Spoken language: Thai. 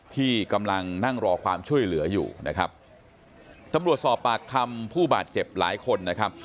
ที่กำลังนั่งรอความช่วยเหลืออยู่นะครับตำรวจสอบปากคำผู้บาดเจ็บหลายคนนะครับ